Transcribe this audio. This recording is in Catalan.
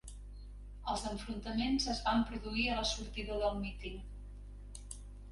Els enfrontaments es van produir a la sortida del míting